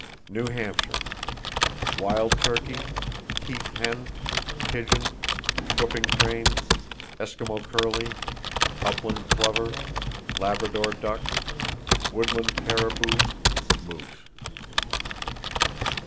New Hampshire: Wild turkey, heath hen, pigeon, whooping crane, Eskimo curlew, upland plover, Labrador duck; woodland caribou, moose.